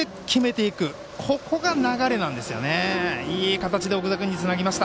いい形で奥田君につなぎました。